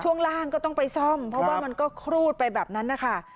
ช่วงล่างก็ต้องไปซ่อมเพราะว่ามันก็ครูดไปแบบนั้นนะคะ